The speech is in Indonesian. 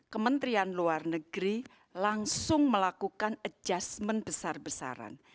kementerian luar negeri langsung melakukan adjustment besar besaran